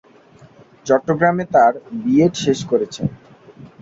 চট্টগ্রামে তার বিএড শেষ করেছেন।